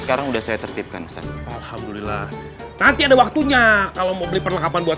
sekarang udah saya tertipkan alhamdulillah nanti ada waktunya kalau mau beli perlengkapan buat